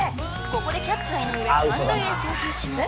ここでキャッチャー井上三塁へ送球します